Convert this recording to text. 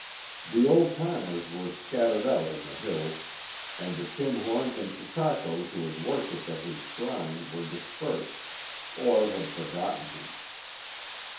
The old timers were scattered out in the hills, and the tin horns and chechakos who had worshiped at his shrine were dispersed, or had forgotten him.